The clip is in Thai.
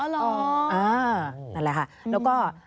นั่นแหละค่ะ